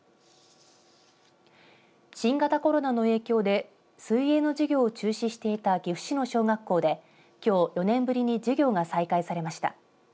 新型コロナの影響で水泳の授業を中止していた岐阜市の小学校できょう４年ぶりに授業が再開されました。